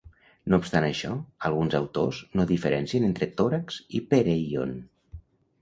No obstant això, alguns autors no diferencien entre tòrax i perèion.